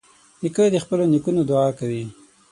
نیکه د خپلو نیکونو دعا کوي.